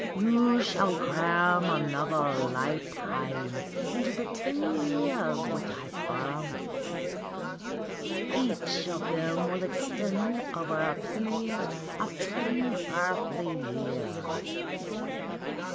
You shall cram another lifetime into the ten years which I promise. Each of them will extend over a period of ten earthly years.